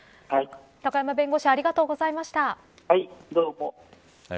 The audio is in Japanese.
高山弁護士ありがとうございました。